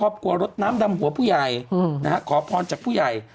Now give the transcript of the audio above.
ครอบครัวลดน้ำดำหัวผู้ใหญ่ขอพรจากผู้ใหญ่